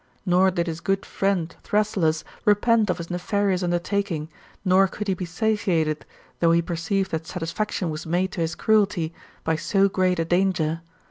Nor did his good friend FThrasyllus] repent of his nefarious undertaking, nor could he be satiated, though he perceived that satisfaction was made to his cruelty, by sp great a danger.